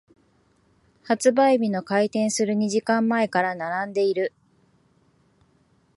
発売日の開店する二時間前から並んでいる。